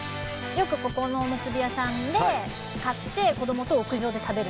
よくここのおむすび屋さんで買って。